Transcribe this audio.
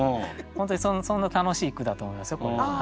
本当にそんな楽しい句だと思いますよこれ。